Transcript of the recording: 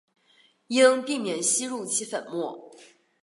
应避免吸入其粉末。